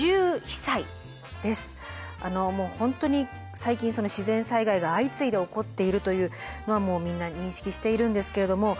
あのもう本当に最近自然災害が相次いで起こっているというのはもうみんな認識しているんですけれども。